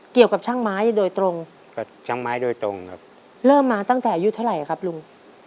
เกี่ยวกับช่างไม้โดยตรงครับเริ่มมาตั้งแต่อายุเท่าไหร่ครับลุง